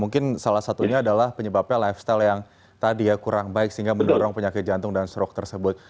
dan sebabnya lifestyle yang tadi ya kurang baik sehingga mendorong penyakit jantung dan strok tersebut